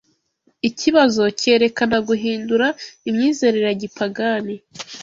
Ikibazo cyerekana guhindura imyizerere ya gipagani